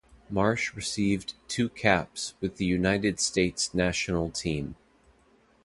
Marsch received two caps with the United States national team.